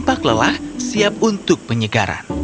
tampak lelah siap untuk penyegaran